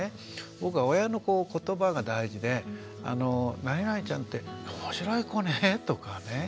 僕は親の言葉が大事で「なになにちゃんって面白い子ね」とかね